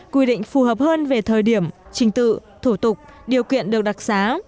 quy định phù hợp hơn về thời điểm trình tự thủ tục điều kiện được đặc xá